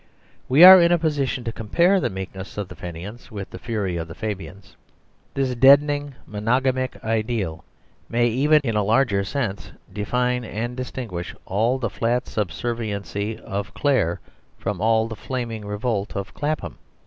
We are in a position to compare the meekness of the Fenians with the fury of the Fabians. This deadening monogamic ideal may even, in a larger sense, define and distinguish all the flat subserviency of Clare from all the flaming revolt of Clapham.